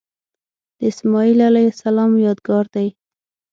د اسمیل علیه السلام یادګار دی.